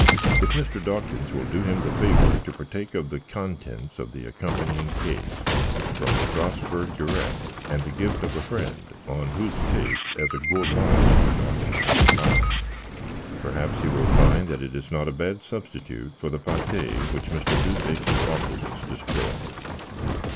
If Mr. Dawkins will do him the favour to partake of the contents of the accompanying case (from Strasburg direct, and the gift of a friend, on whose taste as a gourmand Mr. Dawkins may rely), perhaps he will find that it is not a bad substitute for the plat which Mr. Deuceace's awkwardness destroyed.